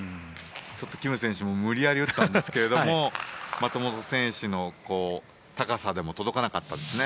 キム選手も無理やり打ったんですが松本選手の高さでも届かなかったですね。